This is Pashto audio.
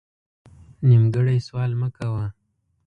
نیمګړی سوال مه کوه